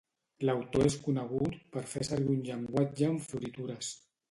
L'autor és conegut per fer servir un llenguatge amb floritures.